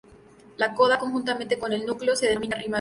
La coda, conjuntamente con el núcleo, se denomina rima silábica.